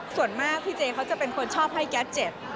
ส่วนมากพี่เจเขาจะเป็นคนชอบให้แก๊สเจ็บ